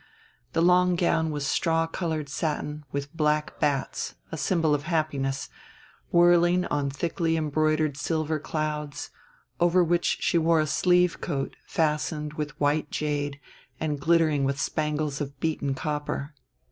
The long gown was straw colored satin with black bats a symbol of happiness whirling on thickly embroidered silver clouds, over which she wore a sleeve coat fastened with white jade and glittering with spangles of beaten copper.